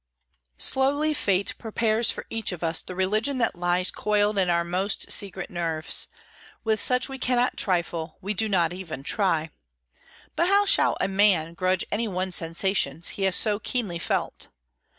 Slowly Fate prepares for each of us the religion that lies coiled in our most secret nerves; with such we cannot trifle, we do not even try! But how shall a man grudge any one sensations he has so keenly felt?